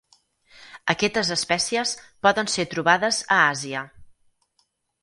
Aquestes espècies poden ser trobades a Àsia.